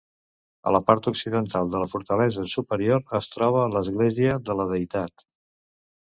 A la part occidental de la fortalesa superior es troba l'església de la Deïtat.